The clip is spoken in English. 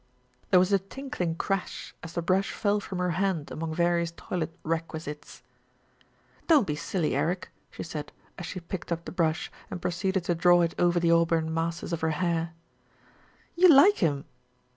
A VILLAGE DIVIDED AGAINST ITSELF 221 There was a tinkling crash as the brush fell from her hand among various toilet "requisites." "Don't be silly, Eric," she said, as she picked up the brush and proceeded to draw it over the auburn masses of her hair. "You like him."